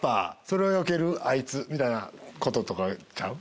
それをよけるあいつ！みたいなこととかちゃう？